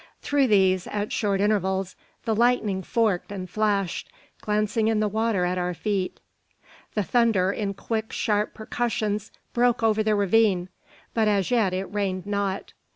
Through these, at short intervals, the lightning forked and flashed, glancing in the water at our feet. The thunder, in quick, sharp percussions, broke over the ravine; but as yet it rained not.